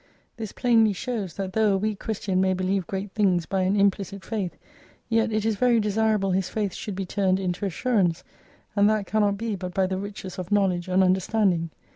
This plainly shows, that though a weak Christian may believe great things by an implicit faith, yet it is very desirable his faith should be turned into assurance, and that cannot be but by the riches of knowledge and understanding.